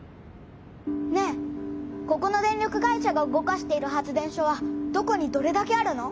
ねえここの電力会社が動かしている発電所はどこにどれだけあるの？